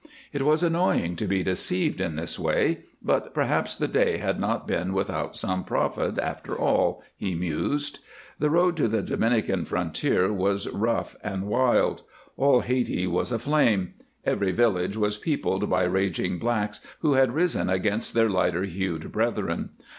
It was annoying to be deceived in this way, but perhaps the day had not been without some profit, after all, he mused. The road to the Dominican frontier was rough and wild. All Hayti was aflame; every village was peopled by raging blacks who had risen against their lighter hued brethren.